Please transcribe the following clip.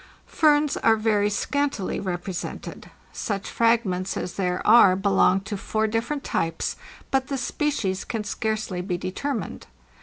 "Ferns are very scantily represented. Such frag ments as there are belong to four different types; but the species can scarcely be determined.